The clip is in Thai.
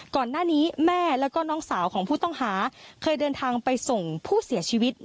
ก่อนหน้านี้แม่แล้วก็น้องสาวของผู้ต้องหาเคยเดินทางไปส่งผู้เสียชีวิต